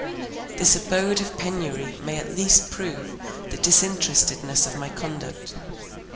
This abode of penury may at least prove the disinterestedness of my conduct.